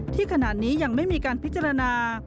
ที่ขนาดนี้ยังไม่มีการพิจารณา